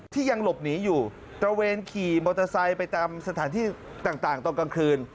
ยังหลบหนีอยู่ตระเวนขี่มอเตอร์ไซค์ไปตามสถานที่ต่างตอนกลางคืน